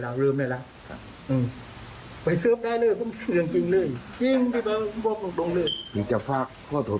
จริงพี่ประมาณถูงเลย